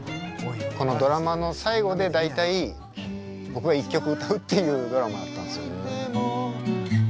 このドラマの最後で大体僕が１曲歌うっていうドラマだったんですよ。